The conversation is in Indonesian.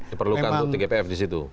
diperlukan tgpf di situ